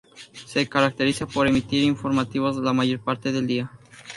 Se caracteriza por emitir informativos la mayor parte del dia.